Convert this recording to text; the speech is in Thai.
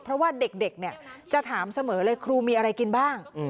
เพราะว่าเด็กจะถามเสมอเลยครูมีอะไรกินบ้าง